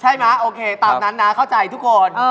มั้ยโอเคตามนั้นนะเข้าใจทุกคน